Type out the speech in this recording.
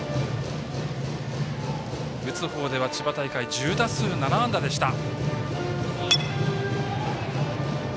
打つ方では千葉大会、１０打数７安打でした。